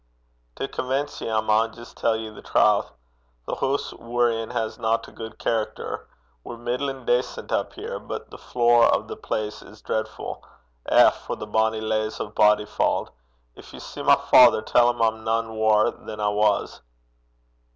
'To convence ye, I maun jist tell ye the trowth. The hoose we're in hasna a gude character. We're middlin' dacent up here; but the lave o' the place is dreadfu'. Eh for the bonnie leys o' Bodyfauld! Gin ye see my father, tell him I'm nane waur than I was.'